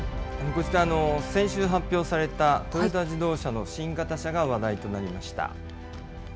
こちらの先週発表されたトヨタ自動車の新型車が話題となりました。